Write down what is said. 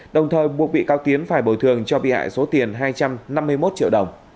đồng thời buộc bị cáo tiến phải bồi thường cho bị hại số tiền hai trăm năm mươi một triệu đồng